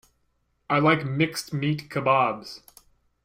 I like mixed meat kebabs.